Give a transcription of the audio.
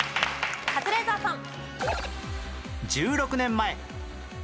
カズレーザーさん。